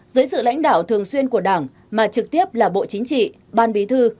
dưới sự lãnh đạo thường xuyên của đảng mà trực tiếp là bộ chính trị ban bí thư